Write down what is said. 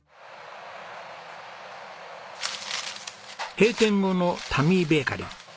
閉店後のタミーベーカリー。